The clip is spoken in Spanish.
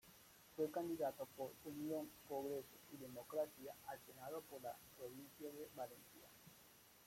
Fue candidato por Unión Progreso y Democracia al Senado por la provincia de Valencia.